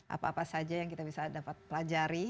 apa apa saja yang kita bisa dapat pelajari